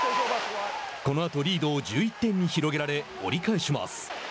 このあとリードを２１点に広げられ折り返します。